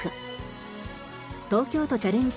東京都チャレンジ